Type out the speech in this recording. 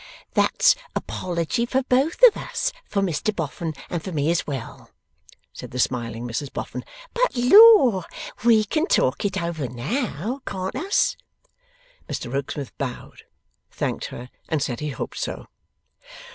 'That's apology for both of us: for Mr Boffin, and for me as well,' said the smiling Mrs Boffin. 'But Lor! we can talk it over now; can't us?' Mr Rokesmith bowed, thanked her, and said he hoped so.